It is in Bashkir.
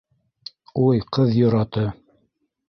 — Уй ҡыҙ йораты!